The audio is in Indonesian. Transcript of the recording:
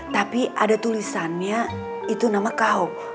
tapi ada tulisannya itu nama kaum